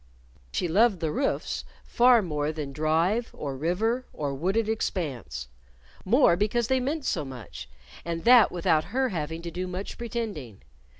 She loved the roofs far more than Drive or River or wooded expanse; more because they meant so much and that without her having to do much pretending.